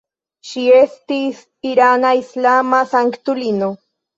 Ŝi estis irana islama sanktulino.